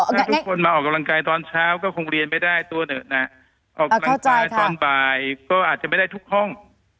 ถ้าทุกคนมาออกกำลังกายตอนเช้าก็คงเรียนไม่ได้ตัวเหอะนะออกกำลังกายตอนบ่ายก็อาจจะไม่ได้ทุกห้อง